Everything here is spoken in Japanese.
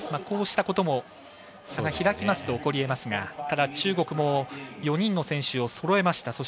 こうしたことも差が開きますと起こりえますが中国も４人の選手をそろえました。